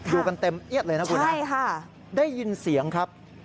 ดูกันเต็มเอี๊ยดเลยนะครับคุณฮะได้ยินเสียงครับใช่ค่ะ